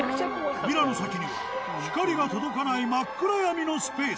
扉の先には光が届かない真っ暗闇のスペース。